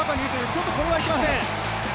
ちょっとこれはいけません。